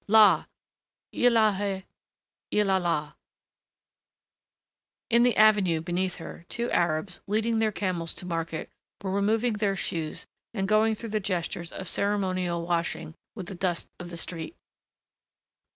"La illahé illallah " In the avenue beneath her two Arabs, leading their camels to market, were removing their shoes and going through the gestures of ceremonial washing with the dust of the street.